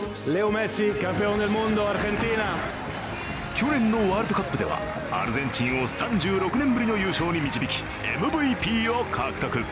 去年のワールドカップではアルゼンチンを３６年ぶりの優勝に導き、ＭＶＰを獲得。